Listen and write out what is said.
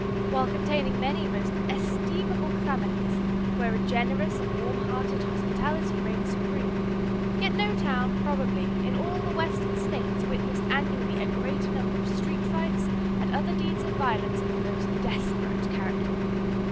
While containing many most estimable families, where a generous and warm hearted hospitality reigned supreme, yet no town, probably, in all the Western States witnessed annually a greater number of street fights and other deeds of violence of the most desperate character.